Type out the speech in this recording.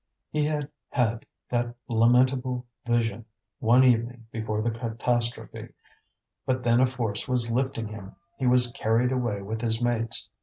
He had had that lamentable vision one evening before the catastrophe. But then a force was lifting him, he was carried away with his mates.